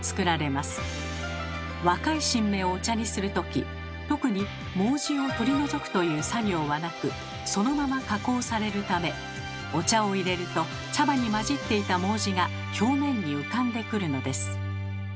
若い新芽をお茶にする時特に毛茸を取り除くという作業はなくそのまま加工されるためお茶をいれると茶葉に交じっていた毛茸が表面に浮かんでくるのです。